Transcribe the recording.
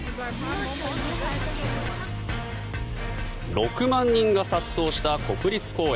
６万人が殺到した国立公園。